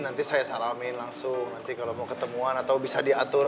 nanti saya salamin langsung nanti kalau mau ketemuan atau bisa diatur